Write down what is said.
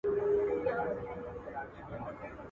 موږ خپلې چیغې خښې کړي دي زخمي غاړو کې